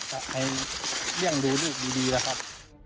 ให้เรียกรู้ลูกดีนะครับ